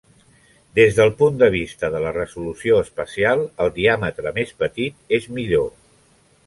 Des del punt de vista de la resolució espacial, el diàmetre més petit és millor.